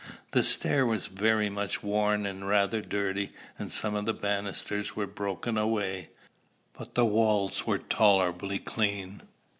The stair was very much worn and rather dirty, and some of the banisters were broken away, but the walls were tolerably clean.